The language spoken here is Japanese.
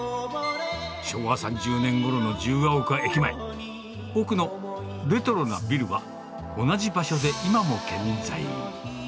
昭和３０年ごろの自由が丘駅前、奥のレトロなビルは、同じ場所で今も健在。